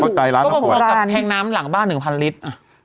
ก็เท่ากับแพงน้ำหลังบ้าน๑๐๐๐ลิตร